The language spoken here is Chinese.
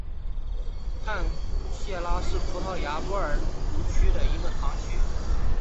泰谢拉是葡萄牙波尔图区的一个堂区。